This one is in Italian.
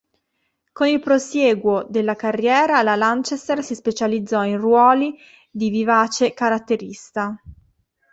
Con il prosieguo della carriera, la Lanchester si specializzò in ruoli di vivace caratterista.